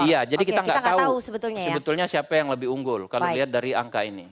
iya jadi kita nggak tahu sebetulnya siapa yang lebih unggul kalau dilihat dari angka ini